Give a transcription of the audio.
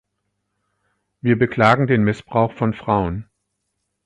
Wir beklagen den Missbrauch von Frauen.